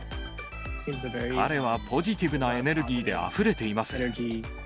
彼はポジティブなエネルギーであふれています。